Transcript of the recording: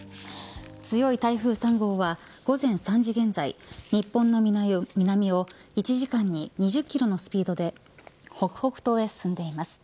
強い台風３号は午前３時現在日本の南を１時間に２０キロのスピードで北北東へ進んでいます。